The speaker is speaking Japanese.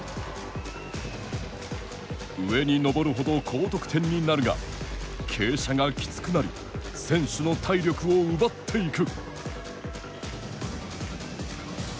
上に登るほど高得点になるが傾斜がきつくなり選手の体力を奪っていく。